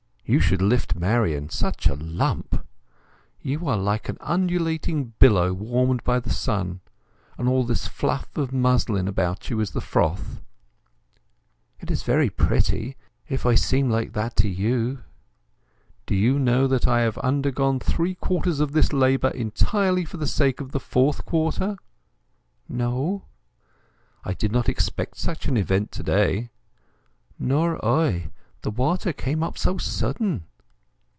You should lift Marian! Such a lump. You are like an undulating billow warmed by the sun. And all this fluff of muslin about you is the froth." "It is very pretty—if I seem like that to you." "Do you know that I have undergone three quarters of this labour entirely for the sake of the fourth quarter?" "No." "I did not expect such an event to day." "Nor I... The water came up so sudden."